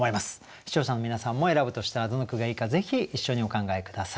視聴者の皆さんも選ぶとしたらどの句がいいかぜひ一緒にお考え下さい。